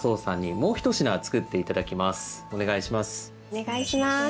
お願いします。